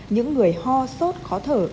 những người ho sốt khó thở